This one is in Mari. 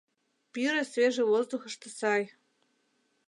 Пӱрӧ свежий воздухышто сай...